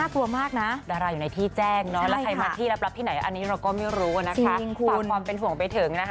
ความเป็นห่วงไปถึง